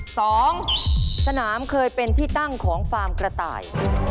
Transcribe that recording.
สองสนามเคยเป็นที่ตั้งของฟาร์มกระต่าย